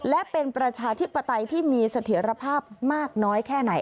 และเป็นประชาธิปไตยที่มีเสถียรภาพมากน้อยแค่ไหน